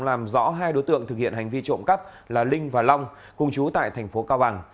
làm rõ hai đối tượng thực hiện hành vi trộm cắt là linh và long cùng chú tại tp cao bằng